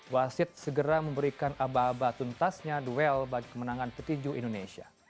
wasid segera memberikan abah abah tuntasnya duel bagi kemenangan petinju indonesia